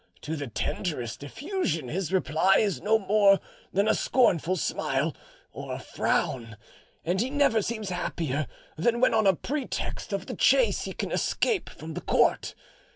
To the tenderest effusion his reply is no more than a scornful smile or a frown, and he never seems happier than when on a pretext of the chase he can escape from the court.